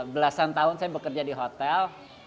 belasan tahun saya bekerja di hotel